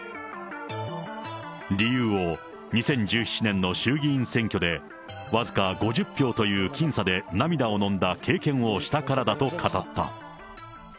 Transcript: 理由を、２０１７年の衆議院選挙で、僅か５０票という僅差で涙を飲んだ経験をしたからだと語った。